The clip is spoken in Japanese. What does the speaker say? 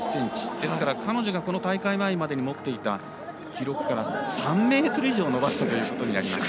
ですから彼女がこの大会前までに持っていた記録から３ｍ以上伸ばしたということになります。